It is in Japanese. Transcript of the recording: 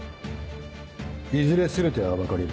いずれ全ては暴かれる。